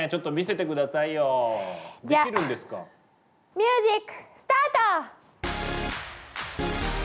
ミュージックスタート！